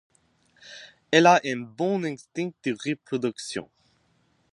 Elle a un bon instinct de reproduction.